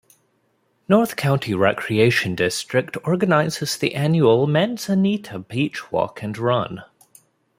North County Recreation District, organizes the annual "Manzanita Beach Walk and Run".